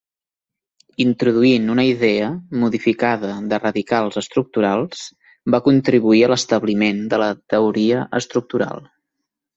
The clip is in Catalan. Introduint una idea modificada de radicals estructurals, va contribuir a l'establiment de la teoria estructural.